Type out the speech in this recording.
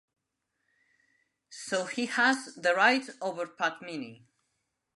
So he has the right over Padmini.